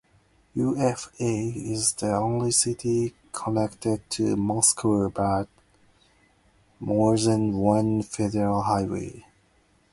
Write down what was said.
Ufa is the only city connected to Moscow by more than one federal highway.